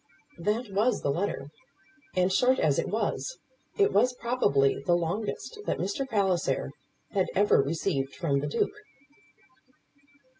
That was the letter; and short as it was, it was probably the longest that Mr. Palliser had ever received from the Duke.